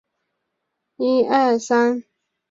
布里翁河畔苏塞。